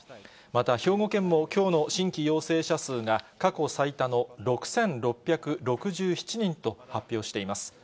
また兵庫県もきょうの新規陽性者数が過去最多の６６６７人と発表しています。